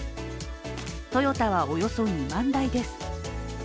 トヨタはおよそ２万台です。